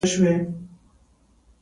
سلطان ویل هغه شاګرد دی.